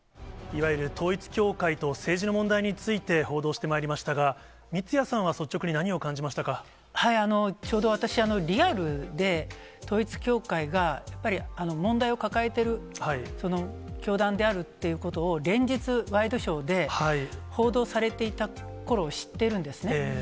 いわゆる統一教会と政治の問題について報道してまいりましたが、三屋さんは率直に何を感じまちょうど私、リアルで統一教会が、やっぱり問題を抱えてる教団であるということを連日、ワイドショーで報道されていたころを知ってるんですね。